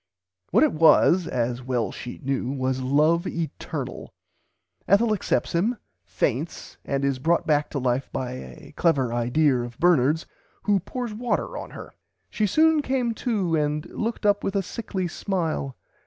What it was (as well she knew) was love eternal. Ethel accepts him, faints and is brought back to life by a clever "idear" of Bernard's, who pours water on her. "She soon came to and looked up with a sickly smile.